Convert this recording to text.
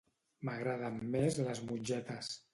M'agraden més les mongetes.